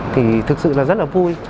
thì thực sự là rất là vui